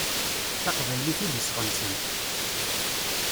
D taqbaylit i d iseɣ-nsent.